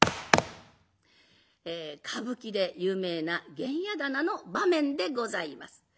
歌舞伎で有名な玄冶店の場面でございます。